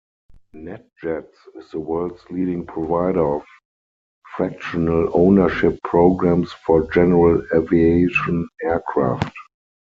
NetJets is the world's leading provider of fractional ownership programs for general aviation aircraft.